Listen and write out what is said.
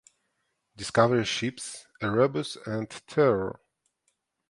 Discovery ships Erebus and Terror.